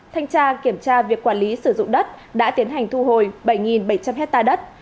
thanh tra kiểm tra việc quản lý sử dụng đất đã tiến hành thu hồi bảy bảy trăm linh hectare đất